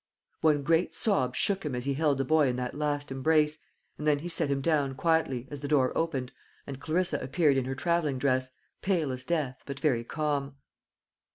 One great sob shook him as he held the boy in that last embrace, and then he set him down quietly, as the door opened, and Clarissa appeared in her travelling dress, pale as death, but very calm.